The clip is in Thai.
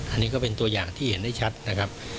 อันนี้ก็เป็นตัวอย่างที่เห็นได้ชัดนะครับ